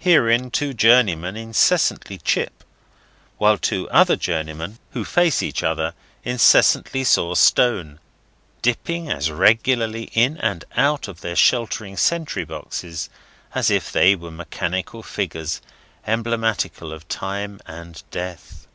Herein two journeymen incessantly chip, while other two journeymen, who face each other, incessantly saw stone; dipping as regularly in and out of their sheltering sentry boxes, as if they were mechanical figures emblematical of Time and Death.